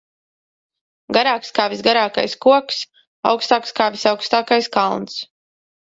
Garāks kā visgarākais koks, augstāks kā visaugstākais kalns.